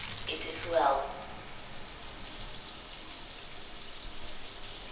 It is well_.